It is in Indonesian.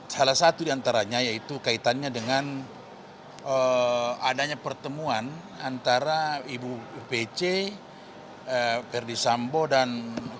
salah satu diantaranya yaitu kaitannya dengan adanya pertemuan antara ibu pc verdi sambo dan